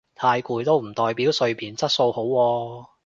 太攰都唔代表睡眠質素好喎